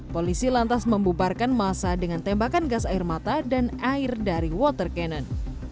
polisi lantas membubarkan masa dengan tembakan gas air mata dan air dari water cannon